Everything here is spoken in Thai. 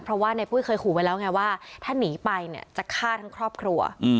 เพราะว่าในปุ้ยเคยขู่ไว้แล้วไงว่าถ้าหนีไปเนี่ยจะฆ่าทั้งครอบครัว